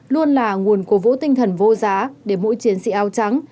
luôn là nguồn cố vũ tinh thần vô giá để mỗi chiến sĩ áo trắng